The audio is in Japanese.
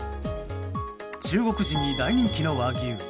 中国人に大人気の和牛。